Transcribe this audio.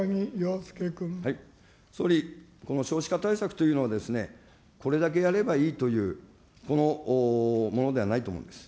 総理、この少子化対策というのはですね、これだけやればいいというものではないと思います。